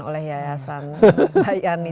oleh yayasan bayani